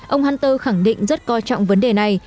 ông hunter khẳng định rất coi trọng vấn đề này